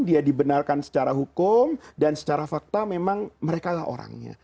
dia dibenarkan secara hukum dan secara fakta memang merekalah orangnya